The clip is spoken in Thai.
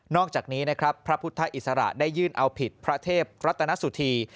อกจากนี้นะครับพระพุทธอิสระได้ยื่นเอาผิดพระเทพรัตนสุธี